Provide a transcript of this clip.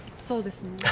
そうですね。